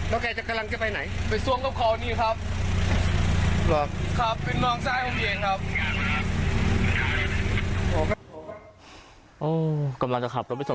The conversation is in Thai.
เนอะกลายจะกำลังจะไปไหน